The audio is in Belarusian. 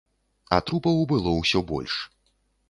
А трупаў было ўсё больш.